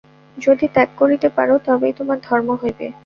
যদি ত্যাগ করিতে পার, তবেই তোমার ধর্ম হইবে।